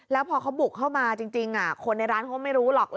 แล้วพอเขาบุกเข้ามาจริงคนในร้านเขาไม่รู้หรอก